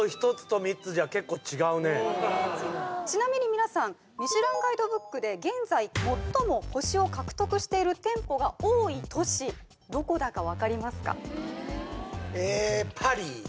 こう聞くとちなみに皆さんミシュランガイドブックで現在最も星を獲得している店舗が多い都市どこだかわかりますか？